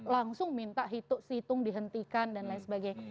langsung minta hitung dihentikan dan lain sebagainya